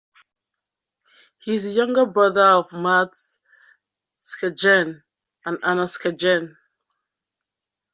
He is the younger brother of Mads Skjern and Anna Skjern.